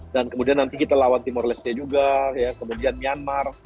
dan kemudian nanti kita lawan timor leste juga ya kemudian myanmar